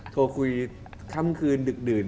โทรคุยค่ำคืนดึกดื่น